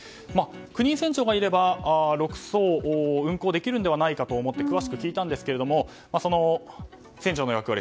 ９人船長がいれば、６艘運航できるのではないかと思い詳しく聞いたんですが船長の役割